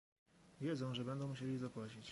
Wiedzą, że będą musieli zapłacić